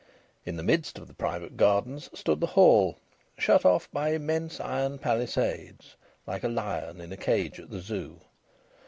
In the midst of the private gardens stood the Hall, shut off by immense iron palisades, like a lion in a cage at the Zoo.